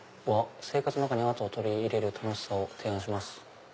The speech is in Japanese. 「生活の中にアートを取り入れる楽しさを提案します」。